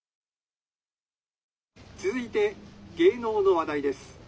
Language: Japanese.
「続いて芸能の話題です。